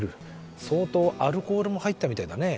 相当アルコールも入ったみたいだね。